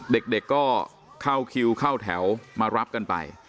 เด็กก็เข้าคิวเข้าแถวมารับกันไป